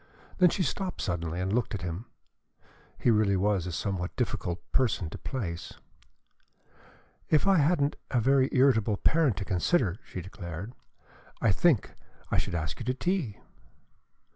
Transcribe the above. Then she stopped suddenly and looked at him. He really was a somewhat difficult person to place. "If I hadn't a very irritable parent to consider," she declared, "I think I should ask you to tea."